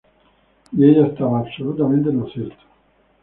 Y ella estaba absolutamente en lo cierto.